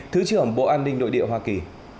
thứ trưởng bộ an ninh nội địa hoa kỳ